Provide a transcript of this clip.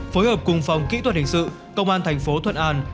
phối hợp cùng phòng kỹ thuật hình sự công an thành phố thuận an